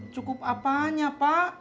cukup apa aja pak